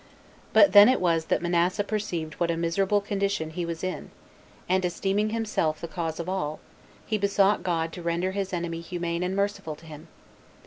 But then it was that Manasseh perceived what a miserable condition he was in, and esteeming himself the cause of all, he besought God to render his enemy humane and merciful to him.